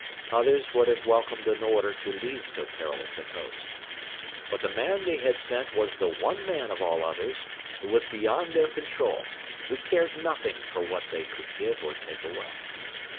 Others would have welcomed an order to leave so perilous a post. But the man they had sent was the one man of all others who was beyond their control, who cared nothing for what they could give or take away.